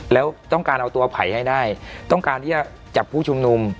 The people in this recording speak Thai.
แล้วต้องการเอาตัวไผ่ให้ได้ต้องการที่จะจับผู้ชุมนุม